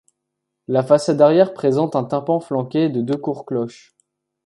La façade arrière présente un tympan flanqué de deux courts cloches.